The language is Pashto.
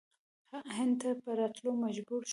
هند ته په راتللو مجبور شول.